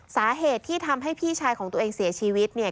สาเหตุที่ทำให้พี่ชายของตัวเองเสียชีวิตเนี่ย